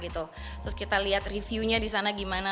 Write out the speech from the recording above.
terus kita lihat reviewnya di sana gimana